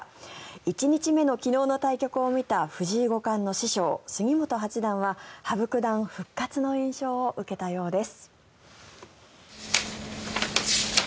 １日目の昨日の対局を見た藤井五冠の師匠、杉本八段は羽生九段復活の印象を受けたようです。